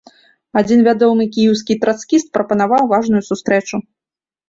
Адзін вядомы кіеўскі трацкіст прапанаваў важную сустрэчу.